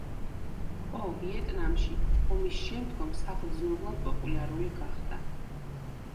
პო ვიეტნამში, ომის შემდგომ საგრძნობლად პოპულარული გახდა.